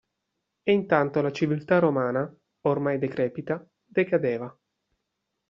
E intanto la civiltà romana, ormai decrepita, decadeva.